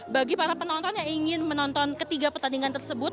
bagi para penonton yang ingin menonton ketiga pertandingan tersebut